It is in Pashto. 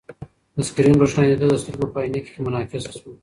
د سکرین روښنايي د ده د سترګو په عینکې کې منعکسه شوه.